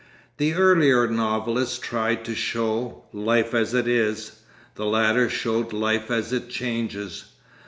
The earlier novelists tried to show 'life as it is,' the latter showed life as it changes.